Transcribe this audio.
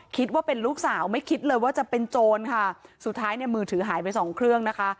คิดว่าเป็นลูกสาวไม่คิดเลยว่าจะเป็นโจรค่ะสุดท้ายเนี่ยมือถือหายไปสองเครื่องนะคะ